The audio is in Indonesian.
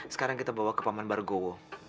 sekarang kita bawa ke paman bargowo